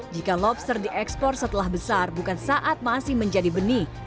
jika lobster diekspor setelah besar bukan saat masih menjadi benih